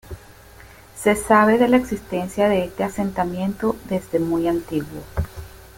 Se sabe de la existencia de este asentamiento desde muy antiguo.